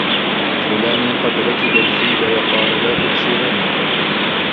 فلان قد ركب الفيل وقال لا تبصروني